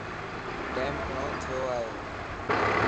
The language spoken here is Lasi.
ٽيم گھڙو ٿيو ائي.